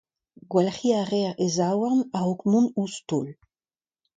Gwalc'hiñ a reer e zaouarn a-raok mont ouzh taol.